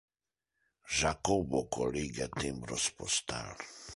Jacobo collige timbros postal.